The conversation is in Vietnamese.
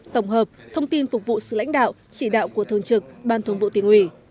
tổng hợp thông tin phục vụ sự lãnh đạo chỉ đạo của thường trực ban thường vụ tỉnh ủy